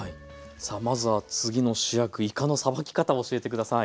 さあまずは次の主役いかのさばき方を教えて下さい。